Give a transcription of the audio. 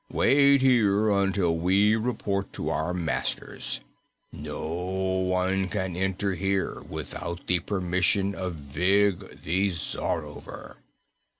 Wait here until we report to our masters. No one can enter here without the permission of Vig, the Czarover."